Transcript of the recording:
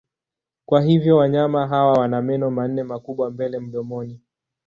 Kwa hivyo wanyama hawa wana meno manne makubwa mbele mdomoni.